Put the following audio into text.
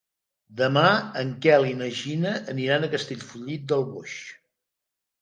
Demà en Quel i na Gina aniran a Castellfollit del Boix.